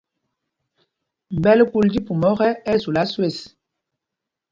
Mbɛ̂l kúl tí pum ɔ́kɛ, ɛ́ ɛ́ sula swes.